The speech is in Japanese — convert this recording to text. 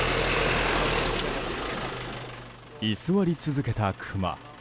居座り続けたクマ。